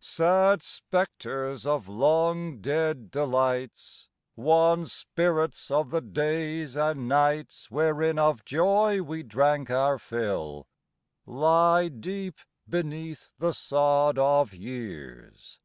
Sad spectres of long dead delights, Wan spirits of the days and nights Wherein of joy we drank our fill, Lie deep beneath the sod of years.